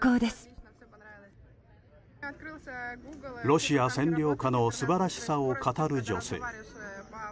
ロシア占領下のすばらしさを語る女性。